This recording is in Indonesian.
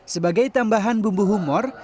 sebagai tambahan bumbu humor